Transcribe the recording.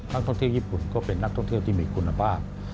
นักท่องเที่ยวญี่ปุ่นก็เป็นนักท่องเที่ยวที่มีคุณภาพ